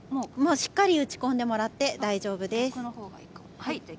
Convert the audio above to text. しっかり打ち込んでもらって大丈夫です。